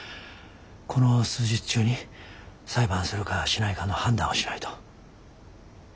この数日中に裁判するかしないかの判断をしないと。